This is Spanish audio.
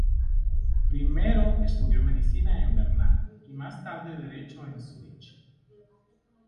Primero estudió Medicina en Berna y más tarde Derecho en Zúrich.